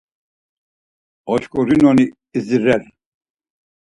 Oşkurinoni idzirer.